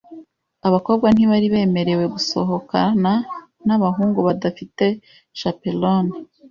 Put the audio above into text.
Abakobwa ntibari bemerewe gusohokana nabahungu badafite chaperone .